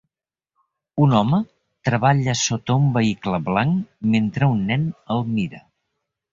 Un home treballa sota un vehicle blanc mentre un nen el mira.